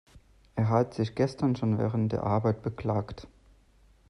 Er hat sich gestern schon während der Arbeit beklagt.